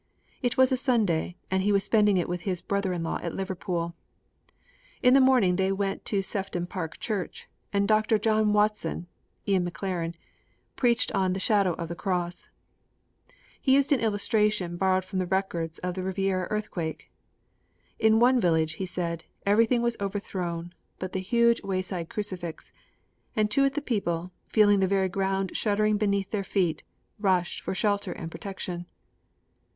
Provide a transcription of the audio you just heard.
It was a Sunday, and he was spending it with his brother in law at Liverpool. In the morning they went to Sefton Park Church. Dr. John Watson (Ian Maclaren) preached on The Shadow of the Cross. He used an illustration borrowed from the records of the Riviera earthquake. In one village, he said, everything was overthrown but the huge way side crucifix, and to it the people, feeling the very ground shuddering beneath their feet, rushed for shelter and protection.